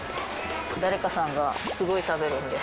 誰かさんがすごい食べるんで。